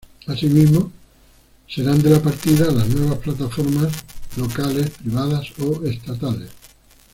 Asimismo, serán de la partida, las nuevas Plataformas Locales, privadas o estatales.